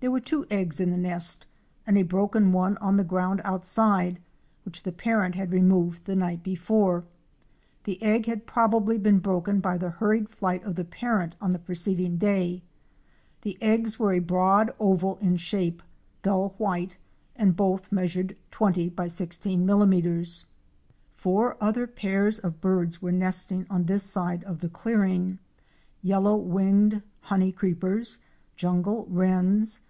There were two eggs in the nest and a broken one on the ground outside which the parent had removed the night before. This egg had probably been broken by the hurried flight of the parent on the preceding day. The eggs were a broad oval in shape, dull white and both measured 20 by 16 mm. Four other pairs of birds were nesting on this side of the clearing, Yellow winged Honey Creepers, Jungle Wrens